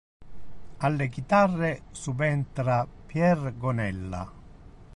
Alle chitarre subentra Pier Gonella.